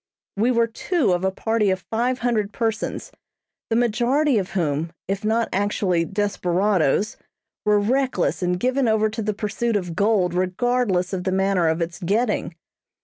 We were two of a party of five hundred persons, the majority of whom, if not actually desperadoes, were reckless and given over to the pursuit of gold regardless of the manner of its getting.